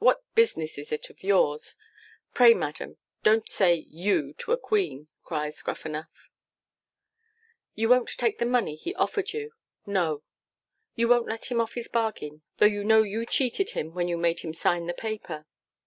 What business is it of yours? Pray, madam, don't say "you" to a Queen,' cries Gruffanuff. 'You won't take the money he offered you?' 'No.' 'You won't let him off his bargain, though you know you cheated him when you made him sign the paper?